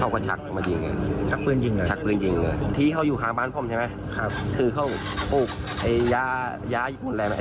คือเขาปลูกไอ้ย้ายี่ปุ่นอะไร